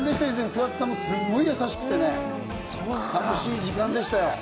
桑田さんもすごい優しくてね、楽しい時間でしたよ。